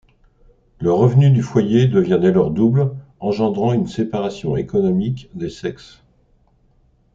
Le revenu du foyer devient dès lors double, engendrant une séparation économique des sexes.